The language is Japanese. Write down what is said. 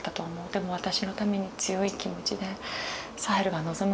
でも私のために強い気持ちでサヘルが望むもの